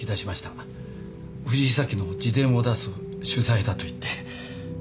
藤井早紀の自伝を出す取材だと言って。